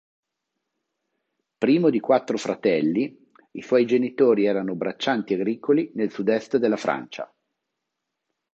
Primo di quattro fratelli, i suoi genitori erano braccianti agricoli nel sud-est della Francia.